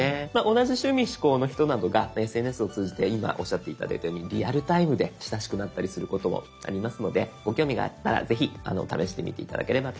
同じ趣味嗜好の人などがＳＮＳを通じて今おっしゃって頂いたようにリアルタイムで親しくなったりすることもありますのでご興味があったらぜひ試してみて頂ければと思います。